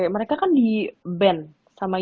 mereka kan di ban sama